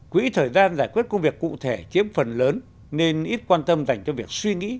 quỹ thời gian giải quyết công việc cụ thể chiếm phần lớn nên ít quan tâm dành cho việc suy nghĩ